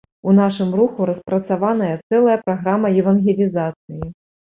У нашым руху распрацаваная цэлая праграма евангелізацыі.